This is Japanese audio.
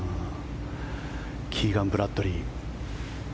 キーガン・ブラッドリー。